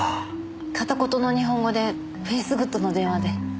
片言の日本語でフェイスグッドの電話で。